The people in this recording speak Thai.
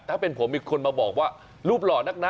ถ้าเป็นผมมีคนมาบอกว่ารูปหล่อนักนะ